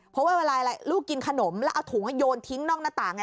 เพราะว่าเวลาลูกกินขนมแล้วเอาถุงโยนทิ้งนอกหน้าต่างไง